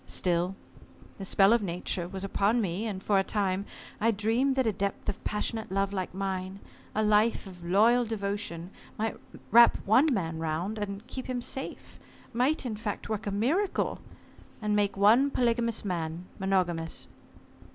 Still, the spell of Nature was upon me, and for a time I dreamed that a depth of passionate love like mine, a life of loyal devotion might wrap one man round, and keep him safe might in fact, work a miracle and make one polygamous man monogamous.